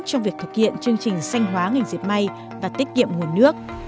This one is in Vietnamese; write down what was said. trong việc thực hiện chương trình sanh hóa ngành diệt may và tiết kiệm nguồn nước